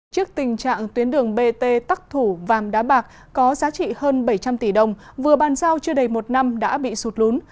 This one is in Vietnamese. trước tình trạng tuyến đường bt tắc thủ vàm đá bạc có giá trị hơn bảy trăm linh tỷ đồng vừa bàn giao chưa đầy một năm đã bị sụt lún